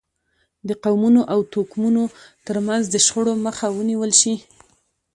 د قومونو او توکمونو ترمنځ د شخړو مخه ونیول شي.